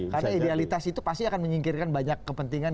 karena idealitas itu pasti akan menyingkirkan banyak kepentingan